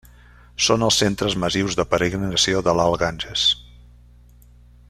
Són els centres massius de peregrinació de l'Alt Ganges.